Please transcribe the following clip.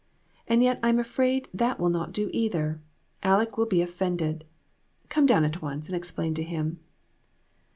And yet I'm afraid that will not do, either. Aleck will be offended. Come down at once and explain to him."